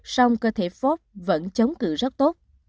xong cơ thể forbes vẫn chống cự rất tốt